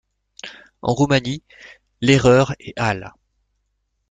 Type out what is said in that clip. En Roumanie, Lehrer et al.